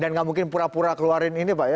dan gak mungkin pura pura keluarin ini pak ya